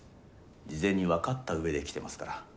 事前に分かった上で来てますから。